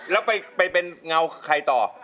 แล้วไปเป็นเงากับใครต่อ